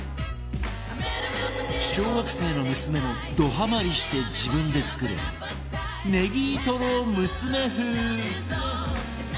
小学生の娘もどハマりして自分で作るねぎとろむすめ風